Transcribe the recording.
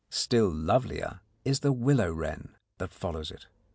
Still lovelier is the willow wren that follows it.